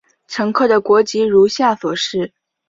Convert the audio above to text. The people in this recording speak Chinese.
乘客的国籍如下所示。